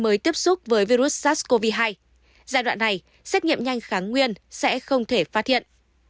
mới tiếp xúc với virus sars cov hai giai đoạn này xét nghiệm nhanh kháng nguyên sẽ không thể phát hiện